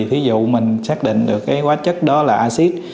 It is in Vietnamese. thí dụ mình xác định được cái quá chất đó là acid